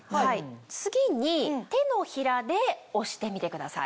次に手のひらで押してみてください。